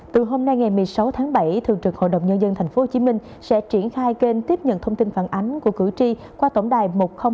từ hôm nay ngày một mươi sáu tháng bảy thường trực hội đồng nhân dân tp hcm sẽ triển khai kênh tiếp nhận thông tin phản ánh của cử tri qua tổng đài một nghìn hai mươi hai